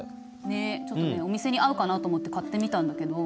ねっちょっとねお店に合うかなと思って買ってみたんだけど。